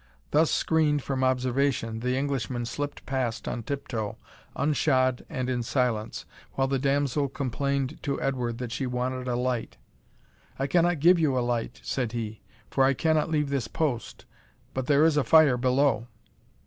Thus screened from observation, the Englishman slipped past on tiptoe, unshod and in silence, while the damsel complained to Edward that she wanted a light. "I cannot get you a light," said he, "for I cannot leave this post; but there is a fire below."